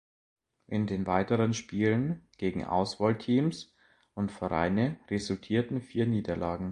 In den weiteren Spielen gegen Auswahlteams und Vereine resultierten vier Niederlagen.